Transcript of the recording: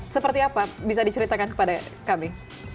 seperti apa bisa diceritakan kepada kami